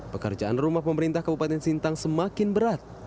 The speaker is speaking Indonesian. pekerjaan rumah pemerintah kabupaten sintang semakin berat